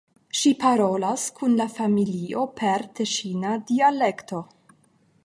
Ŝi parolas kun la familio per teŝina dialekto.